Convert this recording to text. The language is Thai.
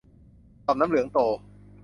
ต่อมน้ำเหลืองโต